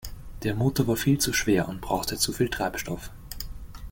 Der Motor war viel zu schwer und brauchte zu viel Treibstoff.